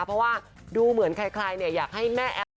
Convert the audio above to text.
เพราะว่าดูเหมือนใครอยากให้แม่แอฟ